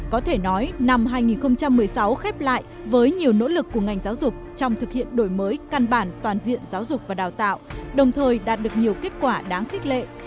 có thể nói năm hai nghìn một mươi sáu khép lại với nhiều nỗ lực của ngành giáo dục trong thực hiện đổi mới căn bản toàn diện giáo dục và đào tạo đồng thời đạt được nhiều kết quả đáng khích lệ